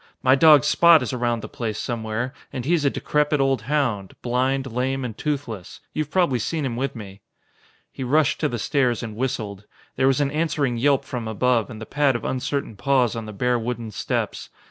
My dog Spot is around the place somewhere. And he is a decrepit old hound, blind, lame and toothless. You've probably seen him with me." He rushed to the stairs and whistled. There was an answering yelp from above and the pad of uncertain paws on the bare wooden steps.